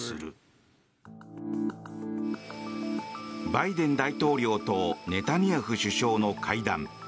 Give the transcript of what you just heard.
バイデン大統領とネタニヤフ首相の会談。